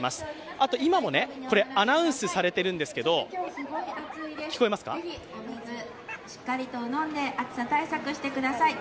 あと、今もアナウンスされているんですけどしっかりと飲んで暑さ対策してください。